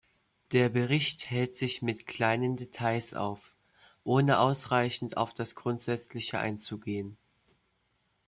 Der Bericht hält sich mit kleinen Details auf, ohne ausreichend auf das Grundsätzliche einzugehen.